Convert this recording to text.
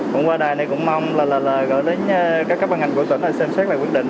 vẫn qua đài này cũng mong là gửi đến các cấp bằng ngành của tỉnh xem xét lại quyết định